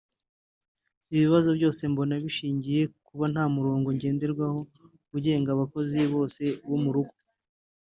Ibi bibazo byose mbona bishingiye ku kuba nta murongo ngenderwaho ugenga abakozi bose bo mu rugo